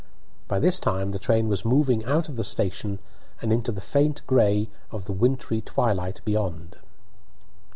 By this time the train was moving out of the station and into the faint gray of the wintry twilight beyond.